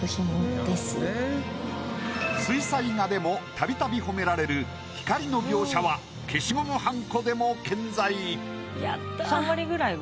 水彩画でも度々褒められる光の描写は消しゴムはんこでも健在。